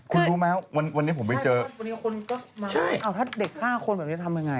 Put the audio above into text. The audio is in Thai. คุณรู้ไหมวันนี้ผมไม่เจอวันนี้คนก็มาถ้าเด็ก๕คนแบบนี้ทำยังไง